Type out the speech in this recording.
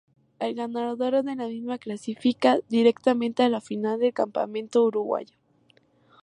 El ganador de la misma clasifica directamente a la Final del campeonato Uruguayo.